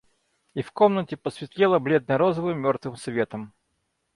И в комнате посветлело бледно-розовым мертвым светом.